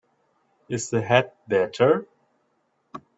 Is the head better?